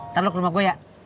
ntar lu ke rumah gue ya